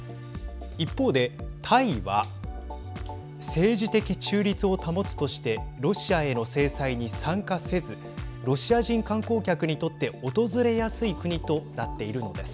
一方でタイは政治的中立を保つとしてロシアへの制裁に参加せずロシア人観光客にとって訪れやすい国となっているのです。